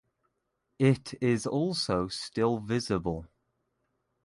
It is also still visible.